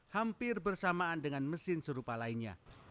hampir bersamaan dengan mesin serupa lainnya